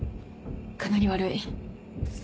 かなり悪い。